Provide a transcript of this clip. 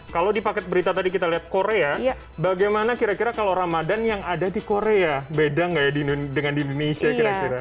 kalau di paket berita tadi kita lihat korea bagaimana kira kira kalau ramadan yang ada di korea beda nggak ya dengan di indonesia kira kira